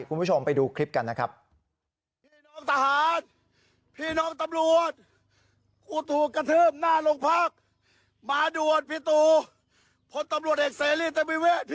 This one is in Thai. คุณผู้ชมไปดูคลิปกันนะครับ